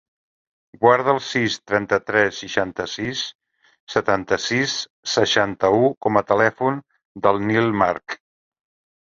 Guarda el sis, trenta-tres, seixanta-sis, setanta-sis, seixanta-u com a telèfon del Nil March.